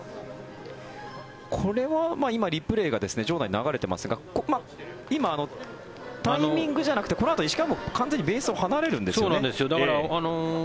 これは今、リプレーが場内に流れていますが今、タイミングじゃなくてこのあと石川は完全にベースを離れるんですよね。